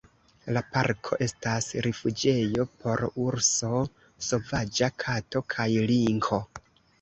La parko estas rifuĝejo por urso, sovaĝa kato kaj linko.